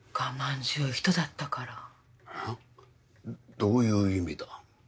どういう意味だ？